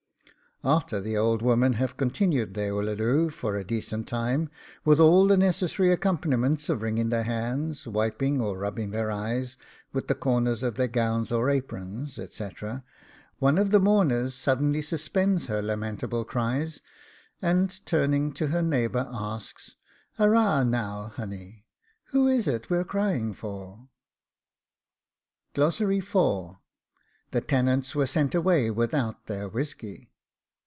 After the old women have continued their Ullaloo for a decent time, with all the necessary accompaniments of wringing their hands, wiping or rubbing their eyes with the corners of their gowns or aprons, etc., one of the mourners suddenly suspends her lamentable cries, and, turning to her neighbour, asks, 'Arrah now, honey, who is it we're crying for?' THE TENANTS WERE SENT AWAY WITHOUT THEIR WHISKY.